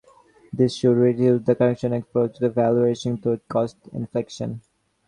This should reduce the contractors' exposure to value erosion through cost inflation.